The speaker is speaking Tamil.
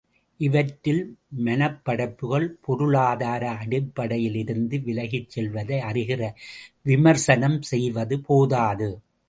இவற்றில் மனப்படைப்புகள், பொருளாதார அடிப்படையிலிருந்து விலகிச் செல்வதை அறிகிற விமர்சனம் செய்வது போதாது.